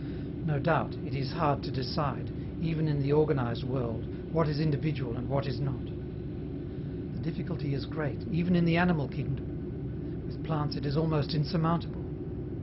No doubt, it is hard to decide, even in the organized world, what is individual and what is not. The difficulty is great, even in the animal kingdom; with plants it is almost insurmountable.